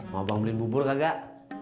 mau bang beliin bubur kagak